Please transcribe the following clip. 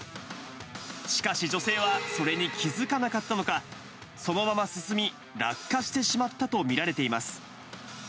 しかし、女性はそれに気付かなかったのか、そのまま進み、落下してしまったと見られています。